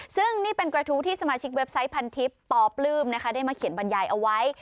ซึ่งนี่เป็นกระทู้ที่สมาชิกเว็บไซต์พันทิพย์ปลื้มนะคะได้มาเขียนบรรยายเอาไว้